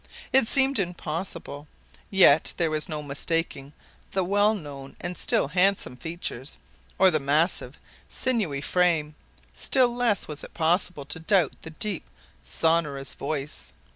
It seemed impossible, yet there was no mistaking the well known and still handsome features, or the massive, sinewy frame still less was it possible to doubt the deep, sonorous voice.